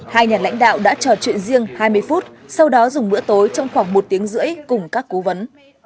hai nhà lãnh đạo đã trò chuyện riêng hai mươi phút sau đó dùng bữa tối trong khoảng một tiếng rưỡi cùng các cố vấn